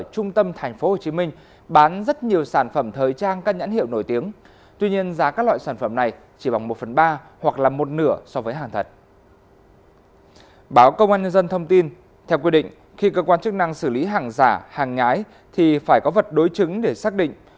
báo công an nhân dân thông tin theo quy định khi cơ quan chức năng xử lý hàng giả hàng nhái thì phải có vật đối chứng để xác định